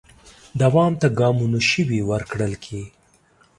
دوام ته ګامونو شوي ورکړل کې